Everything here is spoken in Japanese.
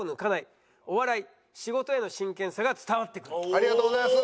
ありがとうございます！